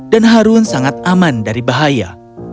dan harun sangat aman dari bahaya